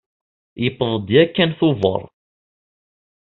Yewweḍ-d yakan Tubeṛ.